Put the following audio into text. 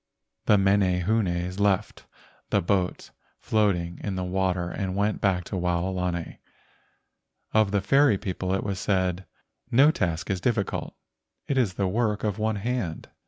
The menehunes left the boat floating in the water and went back to Waolani. Of the fairy people it was said: "No task is difficult. It is the work of one hand."